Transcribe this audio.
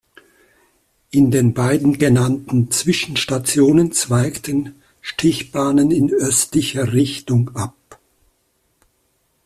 In den beiden genannten Zwischenstationen zweigten Stichbahnen in östlicher Richtung ab.